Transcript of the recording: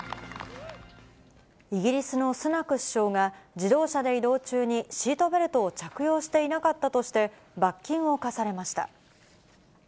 イギリスのスナク首相が、自動車で移動中にシートベルトを着用していなかったとして、罰金を科されました。